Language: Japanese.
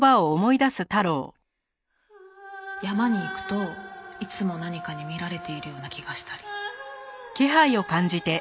山に行くといつも何かに見られているような気がしたり。